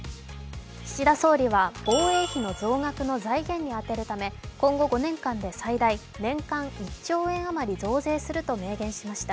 岸田総理は防衛費の財源に充てるため最大年間１兆円余りの増税すると明言しました。